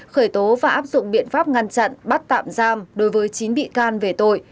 khởi tố và áp dụng biện pháp ngăn chặn bắt tạm giam đối với chín bị can về tội